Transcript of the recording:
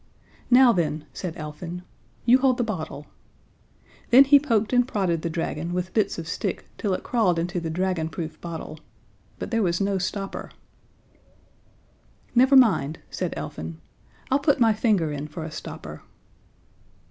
"Now then," said Elfin, "you hold the bottle." Then he poked and prodded the dragon with bits of stick till it crawled into the dragonproof bottle. But there was no stopper. "Never mind," said Elfin. "I'll put my finger in for a stopper."